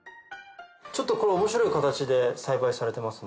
ちょっとこれ面白い形で栽培されてますね。